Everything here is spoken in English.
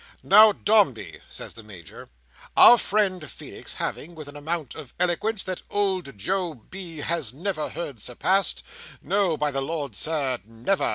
"Now, Dombey," says the Major, "our friend Feenix having, with an amount of eloquence that Old Joe B. has never heard surpassed—no, by the Lord, Sir! never!"